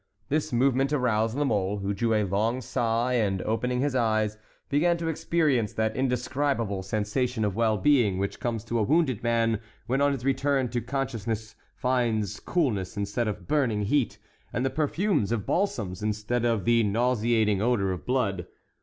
This movement aroused La Mole, who drew a long sigh, and opening his eyes, began to experience that indescribable sensation of well being which comes to a wounded man when on his return to consciousness he finds coolness instead of burning heat, and the perfumes of balsams instead of the nauseating odor of blood.